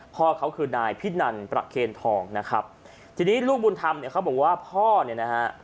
พ่อเขาคือนายพินันประเคนทองนะครับทีนี้ลูกบุญธรรมเนี่ยเขาบอกว่าพ่อเนี่ยนะฮะ